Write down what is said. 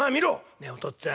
「ねえお父っつぁん。